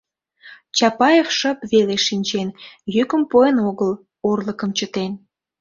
Чапаев шып веле шинчен: йӱкым пуэн огыл, орлыкым чытен.